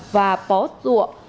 và pó dụa